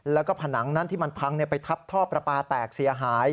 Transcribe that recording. แล้วก็ผนังนั้นที่มันพังไปทับท่อประปาแตกเสียหาย